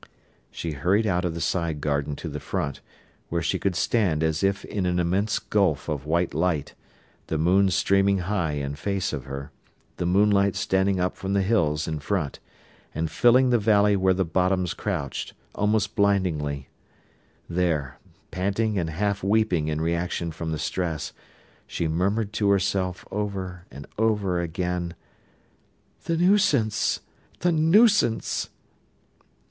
She hurried out of the side garden to the front, where she could stand as if in an immense gulf of white light, the moon streaming high in face of her, the moonlight standing up from the hills in front, and filling the valley where the Bottoms crouched, almost blindingly. There, panting and half weeping in reaction from the stress, she murmured to herself over and over again: "The nuisance! the nuisance!"